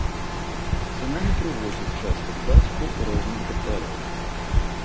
Сымон і прывозіў часта к бацьку розных дактароў.